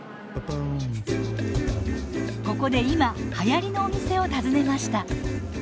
ここで今はやりのお店を訪ねました。